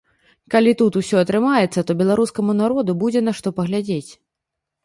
Калі тут усё атрымаецца, то беларускаму народу будзе на што паглядзець.